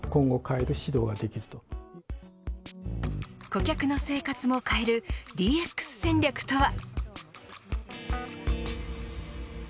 顧客の生活も変えるＤＸ戦略とは。